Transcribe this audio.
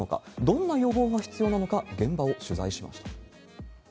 どんな予防が必要なのか、現場を取材しました。